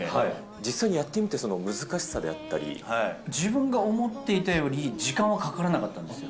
実際やってみて難しさであっ自分が思っていたより、時間はかからなかったんですよ。